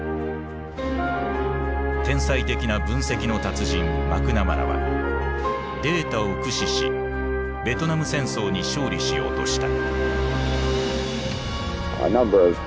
天才的な分析の達人マクナマラはデータを駆使しベトナム戦争に勝利しようとした。